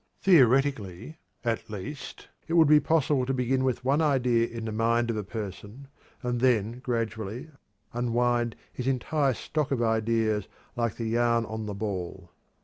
Theoretically, at least, it would be possible to begin with one idea in the mind of a person, and then gradually unwind his entire stock of ideas like the yarn on the ball.